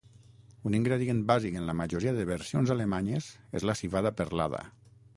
Un ingredient bàsic en la majoria de versions alemanyes és la civada perlada.